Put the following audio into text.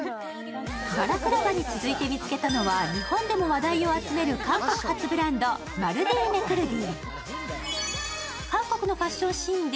バラクラバに続いて見つけたのは、日本でも話題を集める韓国発ブランド、ＭａｒｄｉＭｅｒｃｒｅｄｉ。